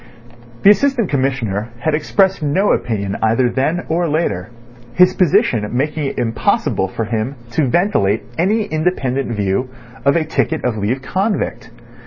The Assistant Commissioner had expressed no opinion either then or later, his position making it impossible for him to ventilate any independent view of a ticket of leave convict.